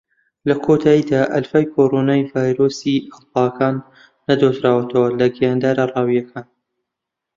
لە کۆتایدا، ئەلفای کۆرۆنا ڤایرۆسی ئەڵپاکان نەدۆزراوەتەوە لە گیاندارە ڕاویەکان.